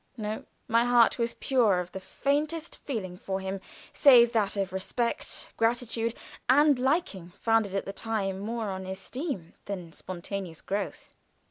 No; my heart was pure of the faintest feeling for him, save that of respect, gratitude, and liking founded at that time more on esteem than spontaneous growth.